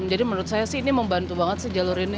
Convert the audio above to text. jadi menurut saya sih ini membantu banget sih jalur ini